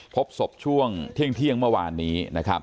พบศพช่วงเที่ยงเมื่อวานนี้